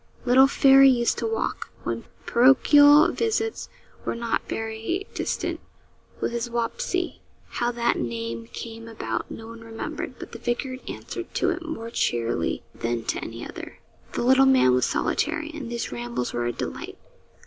Little 'Fairy' used to walk, when parochial visits were not very distant, with his 'Wapsie;' how that name came about no one remembered, but the vicar answered to it more cheerily than to any other. The little man was solitary, and these rambles were a delight.